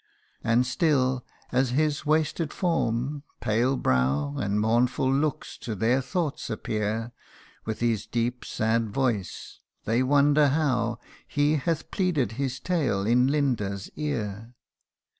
And still, as his wasted form, pale brow, And mournful looks to their thoughts appear ; With his deep, sad voice, they wonder how He hath pleaded his tale in Linda's ear.